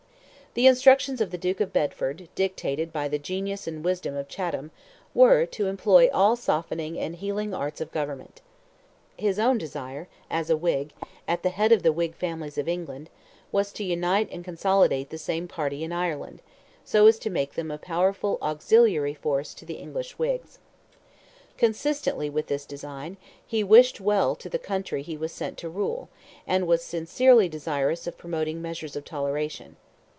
The instructions of the Duke of Bedford, dictated by the genius and wisdom of Chatham, were, to employ "all softening and healing arts of government." His own desire, as a Whig, at the head of the Whig families of England, was to unite and consolidate the same party in Ireland, so as to make them a powerful auxiliary force to the English Whigs. Consistently with this design, he wished well to the country he was sent to rule, and was sincerely desirous of promoting measures of toleration.